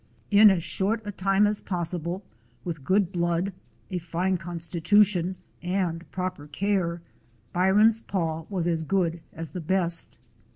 In as short a time as possible, with good blood, a fine constitution, and proper care, Byron's paw was as good as the best.